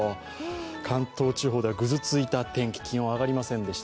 関東地方ではぐずついた天気、気温上がりませんでした。